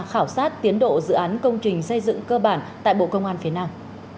khảo sát tiến độ dự án công trình xây dựng cơ bản tại bộ công an phía nam